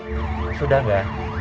kamu secepatnya nyicur sana ya